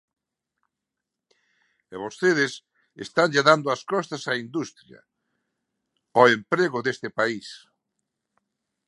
E vostedes estanlle dando as costas á industria, ao emprego deste país.